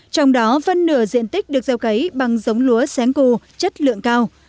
trong đó vân nửa diện tích được gieo cấy bằng giống lúa sáng cù chất lượng cao